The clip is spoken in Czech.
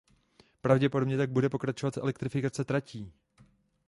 Pravděpodobně tak bude pokračovat elektrifikace tratí.